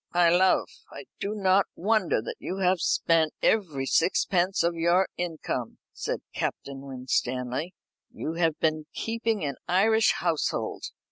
"My love, I do not wonder that you have spent every sixpence of your income," said Captain Winstanley. "You have been keeping an Irish household.